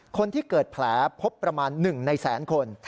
คนที่เกิดแผลพบประมาณ๑ในแสนคน